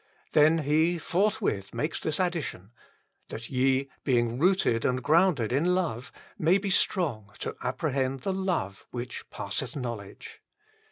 Then he forthwith makes 27 this addition :" that ye, being rooted and grounded in love, may be strong to apprehend the love which passeth knowledge."